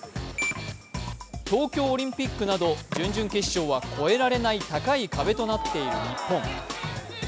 東京オリンピックなど準々決勝は越えられない高い壁となっている日本。